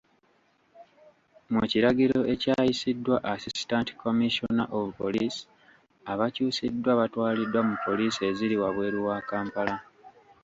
Mu kiragiro ekyayisiddwa Assistant Commissioner of Police, abakyusiddwa batwaliddwa mu Poliisi eziri wabweru wa Kampala.